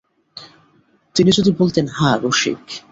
তিনি যদি বলতেন, হাঁ– রসিক।